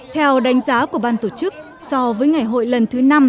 theo đánh giá của ban tổ chức so với ngày hội lần thứ năm